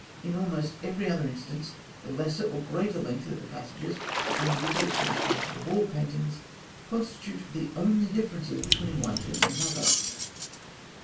In almost every other instance, the lesser or greater length of the passages, and the degree of finish given to the wall paintings, constitute the only differences between one tomb and another.